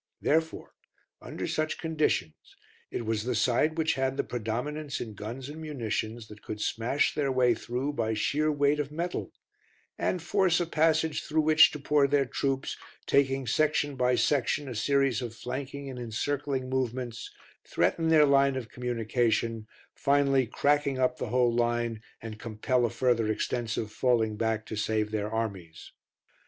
Therefore, under such conditions, it was the side which had the predominance in guns and munitions that could smash their way through by sheer weight of metal, and force a passage through which to pour their troops, taking section by section by a series of flanking and encircling movements, threaten their line of communication, finally cracking up the whole line and compel a further extensive falling back to save their armies.